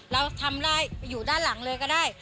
เราทำได้อยู่ด้านหลังเลยก็ได้